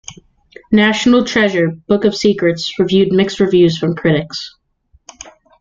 "National Treasure: Book of Secrets" received mixed reviews from critics.